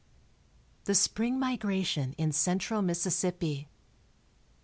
THE SPRING MIGRATION. II. IN CENTRAL MISSISSIPPI.